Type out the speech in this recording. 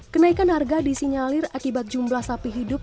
kenaikan harga disinyalir akibat jumlah sapi hidup